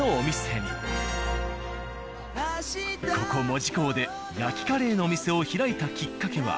門司港で焼きカレーの店を開いたきっかけは